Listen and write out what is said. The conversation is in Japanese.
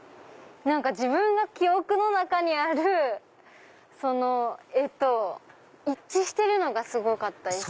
自分の記憶の中にある絵と一致してるのがすごかったです。